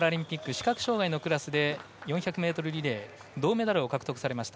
視覚障がいのクラスで４００ｍリレー銅メダルを獲得されました